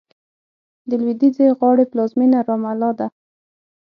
د لوېدیځې غاړې پلازمېنه رام الله ده.